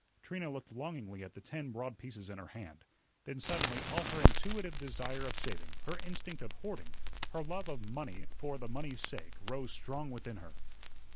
Trina looked longingly at the ten broad pieces in her hand. Then suddenly all her intuitive desire of saving, her instinct of hoarding, her love of money for the money's sake, rose strong within her.